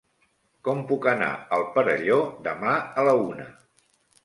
Com puc anar al Perelló demà a la una?